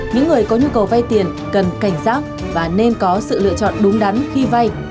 những người có nhu cầu vay tiền cần cảnh giác và nên có sự lựa chọn đúng đắn khi vay